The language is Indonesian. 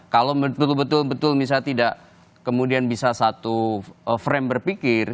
kalau betul betul misal tidak kemudian bisa satu frame berpikir